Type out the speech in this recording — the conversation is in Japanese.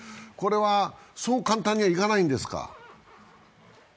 これは、そう簡単にいかないんですか？